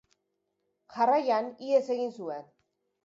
Jarraian, ihes egin zuen.